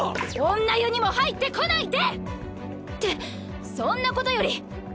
女湯にも入ってこないで！ってそんなことより。